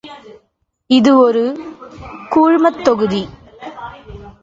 இது ஒரு கூழ்மத் தொகுதி.